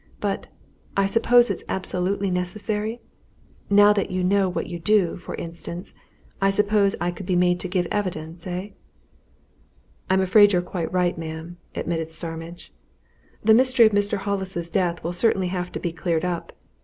"But I suppose it's absolutely necessary? Now that you know what you do, for instance, I suppose I could be made to give evidence, eh!" "I'm afraid you're quite right, ma'am," admitted Starmidge. "The mystery of Mr. Hollis's death will certainly have to be cleared up.